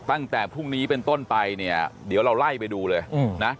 ตั้งแต่พรุ่งนี้เป็นต้นไปเนี่ยเดี๋ยวเราไล่ไปดูเลยนะ